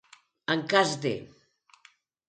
En cas de.